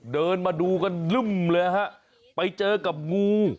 เดินมาดูกันไปเจอกับงู